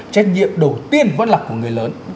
trách nhiệm đầu tiên vẫn là của người lớn